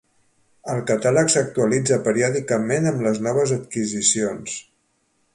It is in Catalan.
El Catàleg s'actualitza periòdicament amb les noves adquisicions.